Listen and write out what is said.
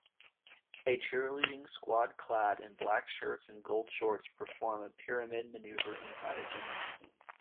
A cheerleading squad clad in black shirts and gold shorts perform a pyramid maneuver inside a gymnasium.